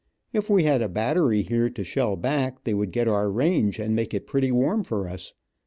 If we had a battery here to shell back, they would get our range, and make it pretty warm for us.